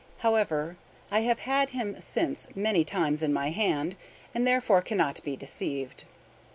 However, I have had him since many times in my hand, and therefore cannot be deceived.